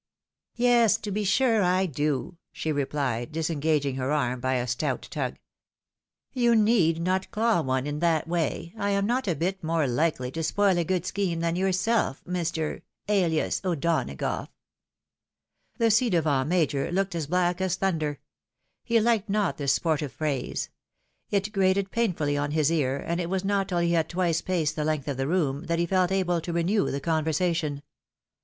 " Yes, to be sure I do," she replied, disengaging her arm by a stout tug. "You need not claw one in that way, I am not a bit more likely to spoil a good scheme than yourself, Mr. , alias O'Donagough." The ci devant Major looked as black as thunder ; he Uked not this sportive phrase ; it grated painfully on his ear, and it was not tiU he had twice paced the length of the room, that he felt able to renew the conversation.